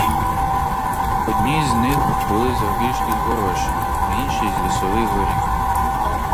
Одні з них були завбільшки з горошину, а інші — з лісовий горіх.